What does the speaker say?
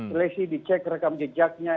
seleksi dicek rekam jejaknya